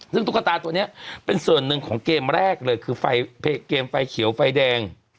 ซึ่งตุ๊กตาตัวนี้เป็นส่วนหนึ่งของเกมแรกเลยคือไฟเกมไฟเขียวไฟแดง